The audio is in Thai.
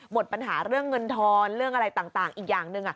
หมดปัญหาเรื่องเงินทอนเรื่องอะไรต่างต่าง